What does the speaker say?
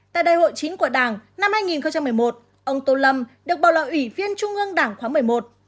tại đại hội chín của đảng năm hai nghìn một mươi một ông tô lâm được bầu là ủy viên trung ương đảng khóa một mươi một